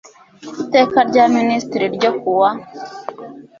iteka rya minisitiri ryo ku wa